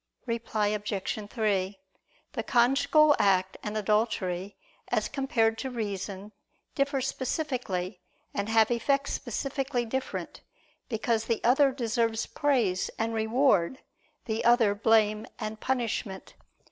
Reply Obj. 3: The conjugal act and adultery, as compared to reason, differ specifically and have effects specifically different; because the other deserves praise and reward, the other, blame and punishment.